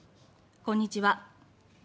こんにちは。